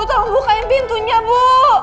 bu tolong bukain pintunya bu